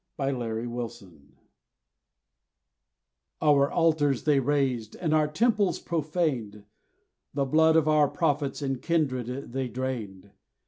THE HEBREW CAPTIVES. Our altars they razed, and our temples profaned! The blood of our prophets and kindred they drained!